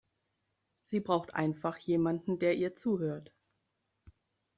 Sie braucht einfach jemanden, der ihr zuhört.